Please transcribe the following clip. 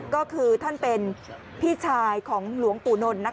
ก็คือท่านเป็นพี่ชายของหลวงปู่นนท์